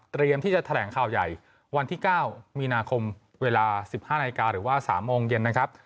ที่จะแถลงข่าวใหญ่วันที่๙มีนาคมเวลา๑๕นาฬิกาหรือว่า๓โมงเย็นนะครับ